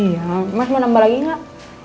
iya mas mau nambah lagi nggak